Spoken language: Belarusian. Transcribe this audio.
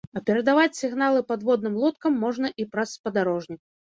А перадаваць сігналы падводным лодкам можна і праз спадарожнік.